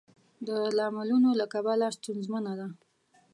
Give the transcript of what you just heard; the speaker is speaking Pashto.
د لاملونو له کبله ستونزمنه ده.